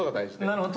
◆なるほど。